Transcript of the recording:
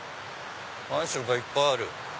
マンションがいっぱいある。